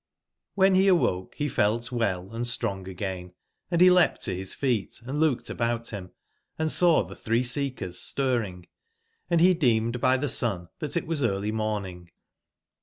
RB]S he awoke he felt well and strong again , and he leapt to his feet & looked about him, and saw the three seekers stirring, and hedeemed by thesun that 3 it was early morning.